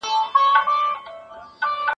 د غريبو حق مه هېروئ.